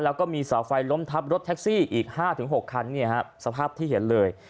แล้วก็มีเสาไฟล้มทับรถแท็กซี่อีก๕๖คันสภาพที่เห็นเลย